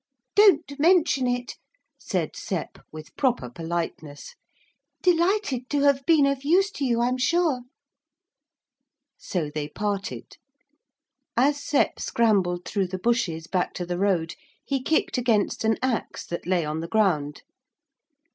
'Don't mention it,' said Sep with proper politeness, 'delighted to have been of use to you, I'm sure.' So they parted. As Sep scrambled through the bushes back to the road he kicked against an axe that lay on the ground.